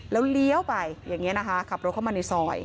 แล้วเลี้ยวไปอย่างนี้นะคะขับรถเข้ามาในซอย